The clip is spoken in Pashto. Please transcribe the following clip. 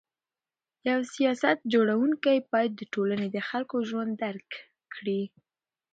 یو سیاست جوړونکی باید د ټولني د خلکو ژوند درک کړي.